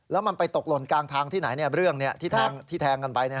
แล้วมันไปตกหล่นกลางทางที่ไหนเรื่องที่แทงกันไป